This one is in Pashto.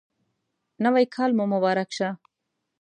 نوی کال مو مبارک شه